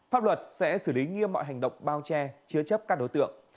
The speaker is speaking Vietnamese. pháp luật sẽ xử lý nghiêm mọi hành động bao che chứa chấp các đối tượng